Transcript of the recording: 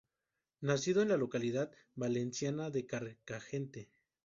Nacido en la localidad valenciana de Carcagente.